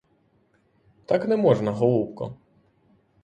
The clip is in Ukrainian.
Так не можна, голубко!